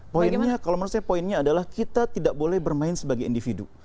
poinnya kalau menurut saya poinnya adalah kita tidak boleh bermain sebagai individu